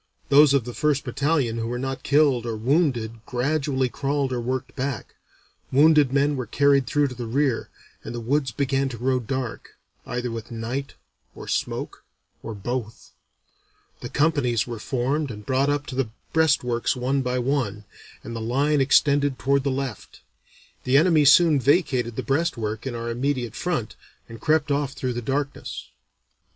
Those of the first battalion who were not killed or wounded gradually crawled or worked back; wounded men were carried through to the rear; and the woods began to grow dark, either with night or smoke or both. The companies were formed and brought up to the breastworks one by one, and the line extended toward the left. The enemy soon vacated the breastwork in our immediate front, and crept off through the darkness."